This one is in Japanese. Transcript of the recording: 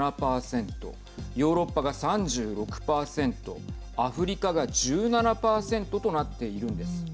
ヨーロッパが３６％アフリカが１７％となっているんです。